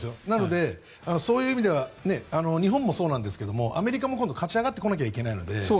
そういう意味では日本もそうなんですがアメリカも勝ち上がってこないといけないので。